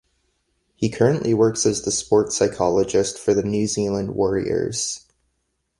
He currently works as the sports psychologist for the New Zealand Warriors.